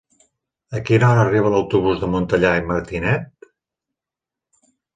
A quina hora arriba l'autobús de Montellà i Martinet?